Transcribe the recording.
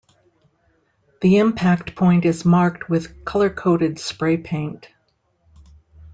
The impact point is marked with color-coded spray paint.